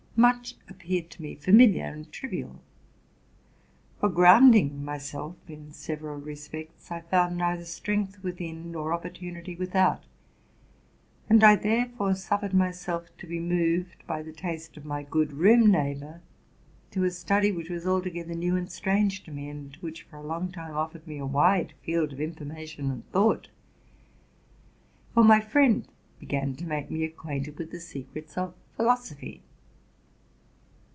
Much appeared to me familiar and trivial: for grounding myself, in several respects, 1 found neither strength within nor opportunity without; and I therefore suffered myself to be moved by the taste of my good room neighbor, to a study which was altogether new and strange to me, and which for a long time offered me a wide field of information and thought. For my friend began to make me acquainted with the secrets of philosophy.